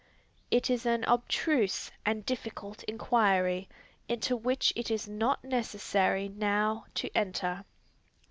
It is an obstruse and difficult inquiry, into which it is not necessary now to enter.